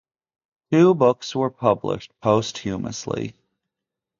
Two books were published posthumously.